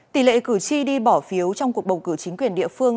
tỷ lệ cử tri đi bỏ phiếu trong cuộc bầu cử chính quyền địa phương